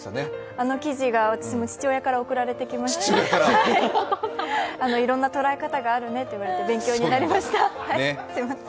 あの記事が父親から送られてきていろんな捉え方があるねって言われて、勉強になりました、すみません。